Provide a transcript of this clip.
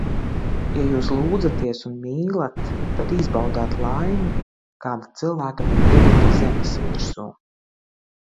Ja jūs lūdzaties un mīlat, tad izbaudāt laimi, kāda cilvēkam ir dota zemes virsū.